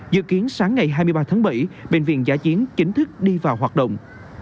dự kiến sáng ngày hai mươi ba tháng bảy bệnh viện giã chiến chính thức đi vào hoạt động